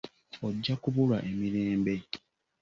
Ojja kubulwa emirembe.